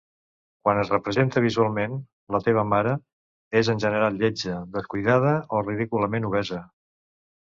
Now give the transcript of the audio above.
Quan es representa visualment, la "teva mare" és en general lletja, descuidada o ridículament obesa.